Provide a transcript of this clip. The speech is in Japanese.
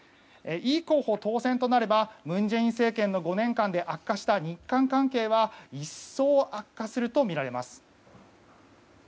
イ候補当選となれば文在寅政権の５年間で悪化した日韓関係は一層悪化するとみられます。